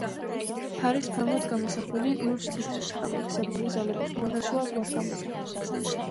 ფარის ქვემოთ გამოსახული ლურჯ-თეთრი ტალღისებრი ზოლები ხმელთაშუა ზღვას გამოსახავს.